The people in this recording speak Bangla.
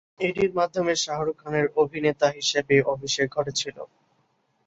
এটির মাধ্যমে শাহরুখ খানের অভিনেতা হিসেবে অভিষেক হয়েছিল।